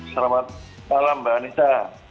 selamat malam mbak anita